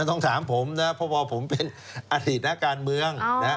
น่าต้องถามผมนะพอผมเป็นอธินาคารเมือง